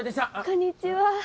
こんにちは。